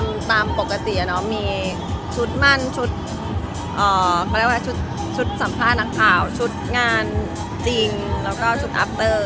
มันก็ตามปกติอะเนอะมีชุดมั่นชุดสัมภาพนักข่าวชุดงานจริงแล้วก็ชุดอัพเตอร์